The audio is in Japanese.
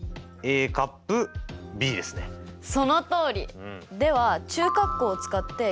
そのとおり！